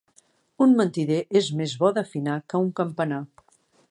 Un mentider és més bo d'afinar que un campanar.